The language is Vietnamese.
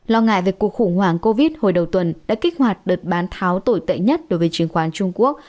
lo ngại về cuộc khủng hoảng covid hồi đầu tuần đã kích hoạt đợt bán tháo tồi tệ nhất đối với chứng khoán trung quốc